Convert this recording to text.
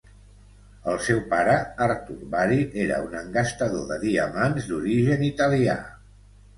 El seu pare, Arthur Bari, era un engastador de diamants d'origen italià.